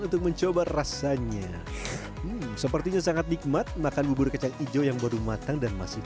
untuk mencoba rasanya sepertinya sangat nikmat makan bubur kacang hijau yang baru matang dan masih